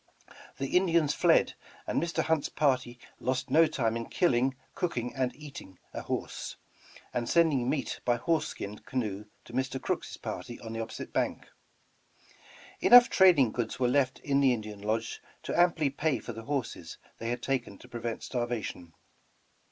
The Indians fled, and Mr. Hunt's party lost no time in killing, cooking and eating n horse, and sending meat by horse skin canoe to Mr. Crooks' party on the opposite bank. Enough trading goods were left in the Indian lodge to amply pay for the horses they had taken to prevent starvation.